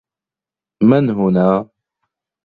من هنا؟